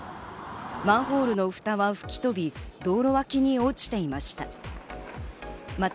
マンホールのふたは吹き飛び、道路脇に落ちていました。